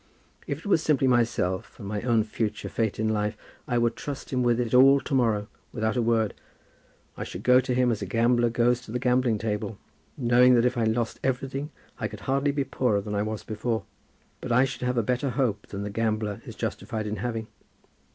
If it were simply myself, and my own future fate in life, I would trust him with it all to morrow, without a word. I should go to him as a gambler goes to the gambling table, knowing that if I lost everything I could hardly be poorer than I was before. But I should have a better hope than the gambler is justified in having.